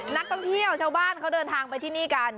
นักท่องเที่ยวชาวบ้านเขาเดินทางไปที่นี่กัน